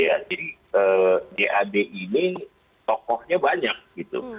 jadi jad ini tokohnya banyak gitu